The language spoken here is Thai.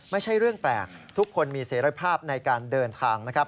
ไม่ใช่เรื่องแปลกทุกคนมีเสรภาพในการเดินทางนะครับ